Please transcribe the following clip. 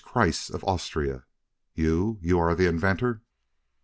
Kreiss, of Austria! You you are the inventor?"